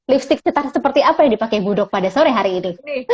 lipstick cetar seperti apa yang dipakai budok pada sore hari ini